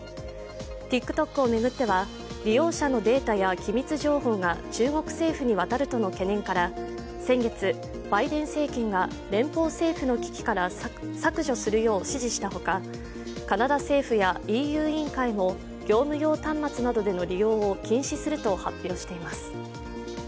ＴｉｋＴｏｋを巡っては利用者のデータや機密情報が中国政府にわたるとの懸念から先月、バイデン政権が連邦政府の機器から削除するよう指示したほかカナダ政府やＥＵ委員会も業務用端末などでの利用を禁止すると発表しています。